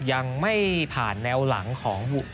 ยังไม่ผ่านแนวหลังของ